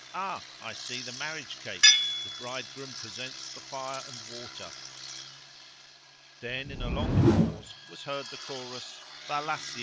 Ah! I see the marriage cake: the bridegroom presents the fire and water." Then, in a longer pause, was heard the chorus, Thalassie!